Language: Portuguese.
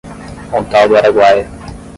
Pontal do Araguaia